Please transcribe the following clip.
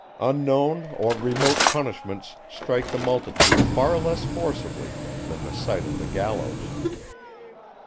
Unknown or remote punishments strike the multitude far less forcibly than the sight of the gallows.